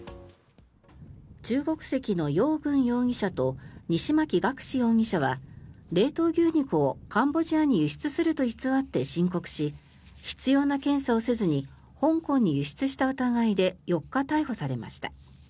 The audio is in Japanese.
中国籍のヨウ・グン容疑者と西槇学志容疑者は冷凍牛肉をカンボジアに輸出すると偽って申告し必要な検査をせずに香港に輸出した疑いで４日、逮捕されました。